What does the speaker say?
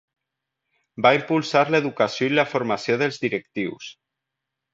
Va impulsar l'educació i la formació dels directius.